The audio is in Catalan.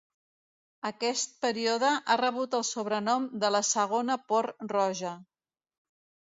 Aquest període ha rebut el sobrenom de la Segona Por Roja.